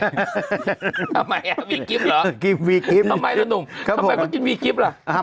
ทำไมวีกริปเหรอทำไมละหนุ่มทำไมเขากินวีกริปเหรอ